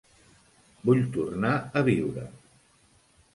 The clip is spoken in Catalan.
Vull tornar a viure.